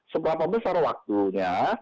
seberapa besar waktunya